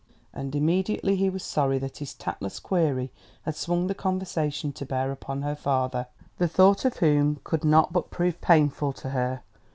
And immediately he was sorry that his tactless query had swung the conversation to bear upon her father, the thought of whom could not but prove painful to her.